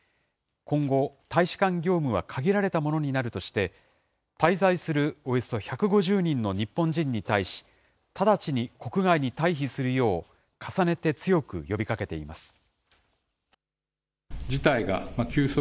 今後、大使館業務は限られたものになるとして、滞在するおよそ１５０人の日本人に対し、直ちに国外に退避するよう、重ねて強く呼びかけています。